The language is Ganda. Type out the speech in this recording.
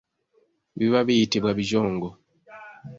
Biba biyitibwa bijongo.